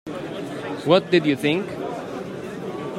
What did you think?